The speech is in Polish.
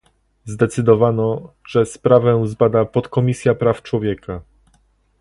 Zdecydowano, że sprawę zbada Podkomisja Praw Człowieka